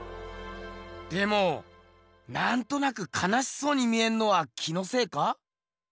でもなんとなくかなしそうに見えんのは気のせいか？